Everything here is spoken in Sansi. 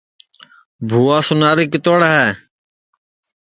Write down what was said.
بھوا سُناری کِتوڑ ہے